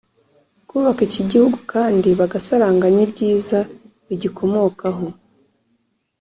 kubaka iki gihugu kandi bagasaranganya ibyiza bigikomokaho.